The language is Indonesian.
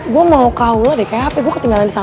gue mau ke aula deh kayak hp gue ketinggalan di sana